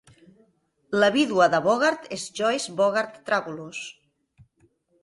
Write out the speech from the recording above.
La vídua de Bogart és Joyce Bogart-Trabulus.